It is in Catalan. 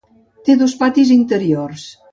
Té dos patis interiors.